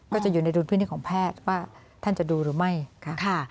ก็จะอยู่ในดุลพินิษฐของแพทย์ว่าท่านจะดูหรือไม่ค่ะ